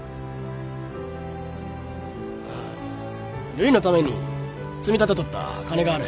るいのために積み立てとった金がある。